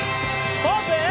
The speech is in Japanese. ポーズ！